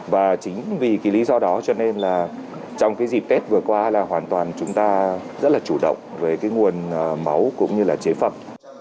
và chính vì cái lý do đó cho nên là trong cái dịp tết vừa qua là hoàn toàn chúng ta rất là chủ động về cái nguồn máu cũng như là chế phẩm